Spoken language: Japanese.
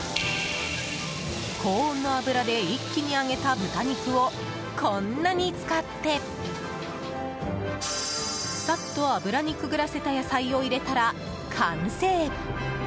高温の油で一気に揚げた豚肉をこんなに使ってさっと油にくぐらせた野菜を入れたら完成。